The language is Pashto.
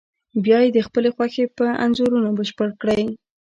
بیا یې د خپلې خوښې په انځورونو بشپړ کړئ.